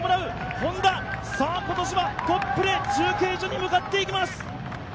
Ｈｏｎｄａ、今年はトップで中継所に向かっていきます。